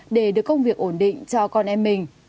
để được công việc ổn định cho con em mình